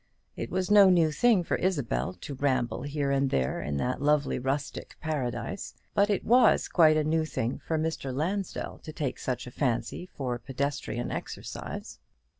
It was no new thing for Isabel to ramble here and there in that lovely rustic paradise: but it was quite a new thing for Mr. Lansdell to take such a fancy for pedestrian exercise.